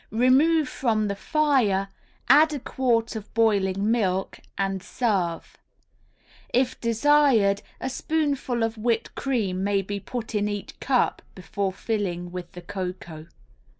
Remove from the fire, add a quart of boiling milk, and serve. If desired a spoonful of whipped cream may be put in each cup before filling with the cocoa.